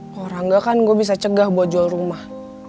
kalo orang gak kan gue bisa cegah buat jual rumah